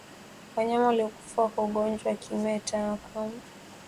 Wanyama waliokufa kwa ugonjwa wa kimeta hawakakamai wala kuvimba mwili